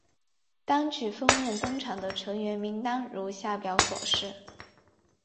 单曲封面登场的成员名单如下表所示。